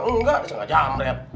enggak bisa gak jam red